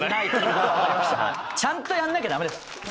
答えちゃんとやんなきゃダメです